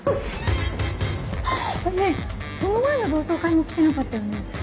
ねえこの前の同窓会も来てなかったよね？